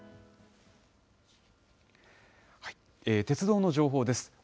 鉄道の情報です。